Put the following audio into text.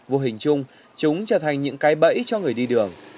vô hình chung chúng trở thành những cái bẫy cho người đi đường